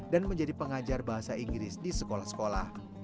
dan menjadi pengajar bahasa inggris di sekolah sekolah